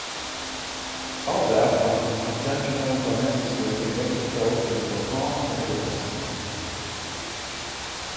Bauwerft war die zum Konzern General Dynamics gehörende Electric Boat in Groton, Connecticut.